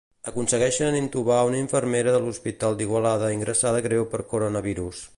Aconsegueixen intubar una infermera de l'Hospital d'Igualada ingressada greu per coronavirus.